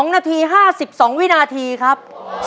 ๒นาที๕๒วินาทีครับ